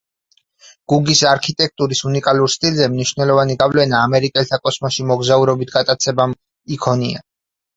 გუგის არქიტექტურის უნიკალურ სტილზე მნიშვნელოვანი გავლენა ამერიკელთა კოსმოსში მოგზაურობით გატაცებამ იქონია.